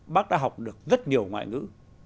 bác đã học được rất nhiều ngoại ngữ